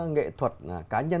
nghệ thuật cá nhân